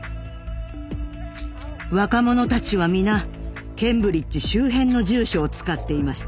若者たちは皆ケンブリッジ周辺の住所を使っていました。